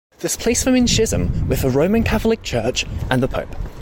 This placed them in schism with the Roman Catholic Church and the Pope.